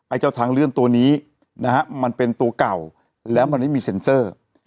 เจ้าทางเลื่อนตัวนี้นะฮะมันเป็นตัวเก่าแล้วมันไม่มีเซ็นเซอร์